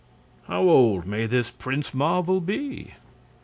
"How old may this Prince Marvel be?"